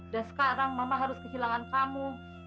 dan sekarang mama harus kehilangan kamu